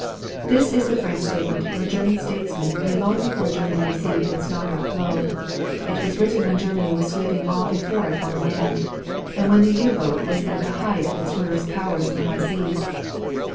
This is the frank statement of a great German statesman made long before Germany received its knock out blow. It was written when Germany was sweeping all before it on land, and when the U boat was at the height of its murderous powers on the high seas.